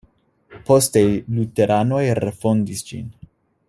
Poste luteranoj refondis ĝin.